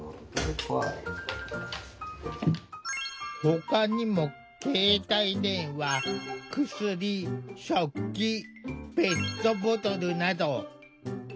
ほかにも携帯電話薬食器ペットボトルなど。